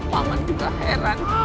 paman juga heran